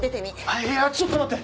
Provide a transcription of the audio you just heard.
あっいやちょっと待って！